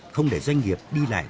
không để doanh nghiệp đi lại